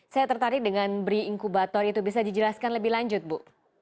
saya tertarik dengan bri inkubator itu bisa dijelaskan lebih lanjut bu